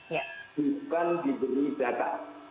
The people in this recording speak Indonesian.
bukan diberi data